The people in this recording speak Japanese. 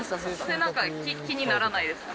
なんか気にならないですか？